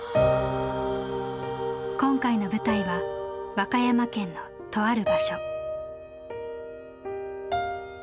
今回の舞台は和歌山県のとある場所。